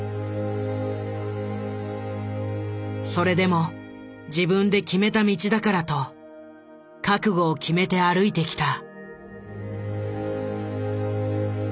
それでも自分で決めた道だからと覚悟を決めて歩いてきた。